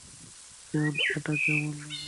জন, এটা কেমন লাগে?